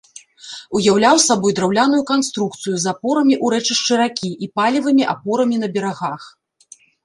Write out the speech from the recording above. Уяўляў сабой драўляную канструкцыю з апорамі ў рэчышчы ракі і палевымі апорамі на берагах.